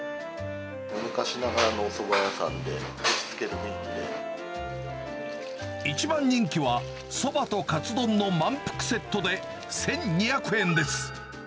昔ながらのおそば屋さんで、一番人気は、そばとカツ丼の満腹セットで１２００円です。